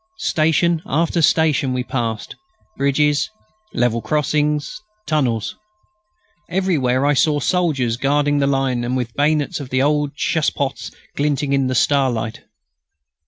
Station after station we passed; bridges, level crossings, tunnels. Everywhere I saw soldiers guarding the line and the bayonets of the old chassepôts glinting in the starlight.